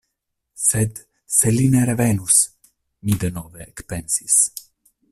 Sed se li ne revenus? Mi denove ekpensis.